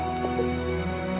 dia akan berada